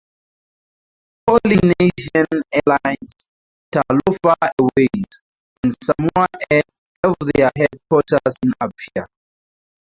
Polynesian Airlines, Talofa Airways, and Samoa Air have their headquarters in Apia.